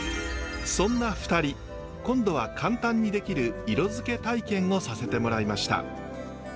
そんな２人今度は簡単にできる色付け体験をさせてもらいました。